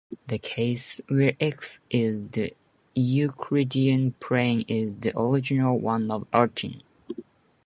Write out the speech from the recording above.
The case where "X" is the Euclidean plane is the original one of Artin.